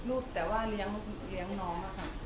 มีรูปแต่ว่าเลี้ยงน้อง